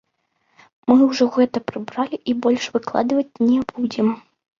Мы ўжо гэта прыбралі і больш выкладваць не будзем.